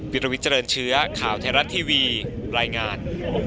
วิลวิทเจริญเชื้อข่าวไทยรัฐทีวีรายงาน